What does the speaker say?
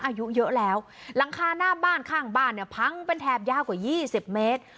อายุเยอะแล้วหลังคาหน้าบ้านข้างบ้านเนี่ยพังเป็นแถบยาวกว่า๒๐เมตร